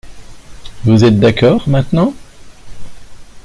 Vous êtes d’accord maintenant ?